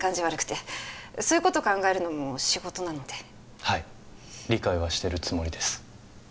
悪くてそういうこと考えるのも仕事なのではい理解はしてるつもりです